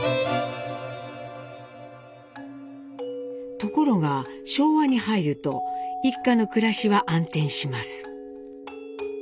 ところが昭和に入ると一家の暮らしは暗転します。